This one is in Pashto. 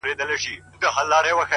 اوبولې یې ریشتیا د زړونو مراندي!